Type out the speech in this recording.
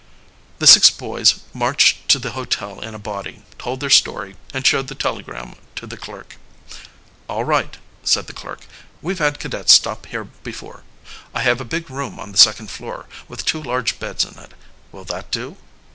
The six boys marched to the hotel in a body, told their story, and showed the telegram to the clerk. "All right," said the clerk. "We've had cadets stop here before. I have a big room on the second floor, with two large beds in it. Will that do?"